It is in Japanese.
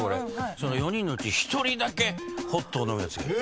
その４人のうち１人だけホットを飲むやつがいる。